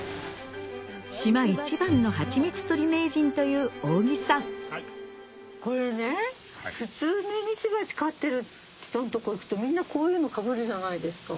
島一番の蜂蜜採り名人というこれね普通ミツバチ飼ってる人のとこ行くとみんなこういうのかぶるじゃないですか。